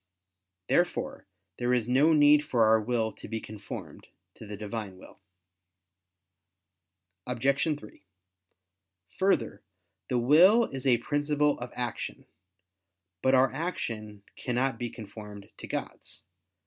Therefore there is no need for our will to be conformed to the Divine will. Obj. 3: Further, the will is a principle of action. But our action cannot be conformed to God's.